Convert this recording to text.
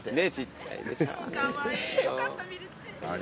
よかった見れて。